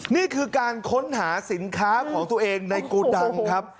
นี่คือการค้นหาสินค้าของตัวเองในโกดังครับ